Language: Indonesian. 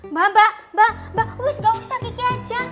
mbak mbak mbak mbak wess gak usah kiki aja